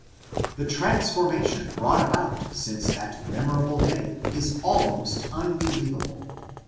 The transformation brought about since that memorable day is almost unbelievable.